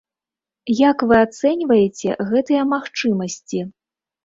Як вы ацэньваеце гэтыя магчымасці?